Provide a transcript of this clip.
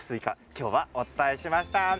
きょうはお伝えしました。